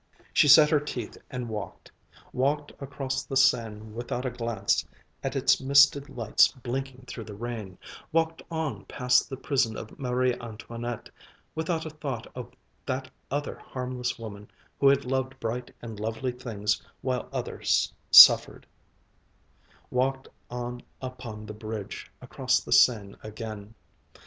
She set her teeth and walked; walked across the Seine without a glance at its misted lights blinking through the rain, walked on past the prison of Marie Antoinette, without a thought of that other harmless woman who had loved bright and lovely things while others suffered: walked on upon the bridge across the Seine again.